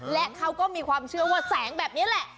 และเขาก็มีความเชื่อว่าแสงแบบนี้แหละ